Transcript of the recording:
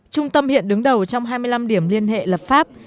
trung tâm hiện đứng đầu trong hai mươi năm điểm liên hệ lập pháp